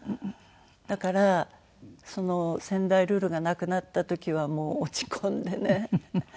だからその先代ルルが亡くなった時はもう落ち込んでね。